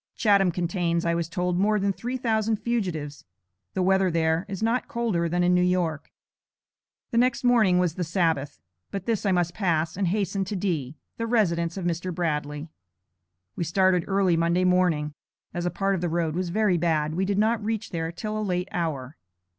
Chatham contains, I was told, more than three thousand fugitives. The weather there, is not colder than in New York. The next morning was the Sabbath, but this I must pass and hasten to D., the residence of Mr. Bradley. We started early Monday morning. As a part of the road was very bad, we did not reach there till a late hour.